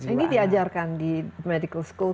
ini diajarkan di medical school